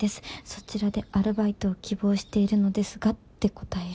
「そちらでアルバイトを希望しているのですが」って答える。